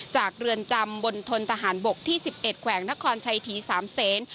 จากเรือนจำบนทนทหารบกที่๑๑แขวงนชศ๓เซน